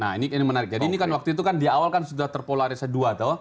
nah ini menarik jadi ini kan waktu itu di awal sudah terpolaris kedua